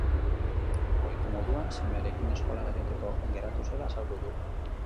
Ohiko moduan semearekin eskolara joateko geratu zela azaldu du.